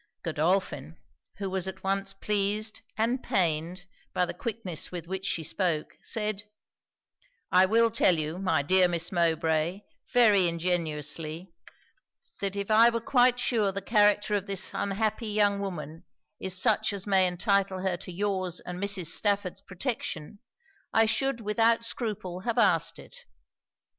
Godolphin, who was at once pleased and pained by the quickness with which she spoke, said 'I will tell you, my dear Miss Mowbray, very ingenuously, that if I were quite sure the character of this unhappy young woman is such as may entitle her to your's and Mrs. Stafford's protection, I should without scruple have asked it.